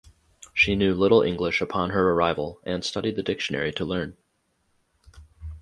She knew little English upon her arrival and studied the dictionary to learn.